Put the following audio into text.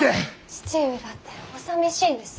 父上だっておさみしいんですよ。